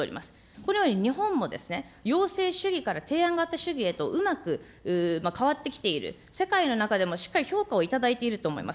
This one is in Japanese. これより日本も要請主義から提案型主義へとうまく変わってきている、世界の中でもしっかり評価をいただいていると思います。